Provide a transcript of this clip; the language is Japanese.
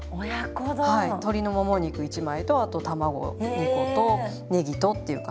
鶏のもも肉１枚とあと卵２個とねぎとっていう感じで。